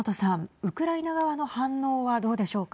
ウクライナ側の反応はどうでしょうか。